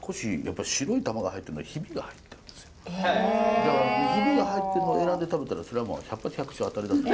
だからヒビが入ってるのを選んで食べたらそれはもう百発百中あたり。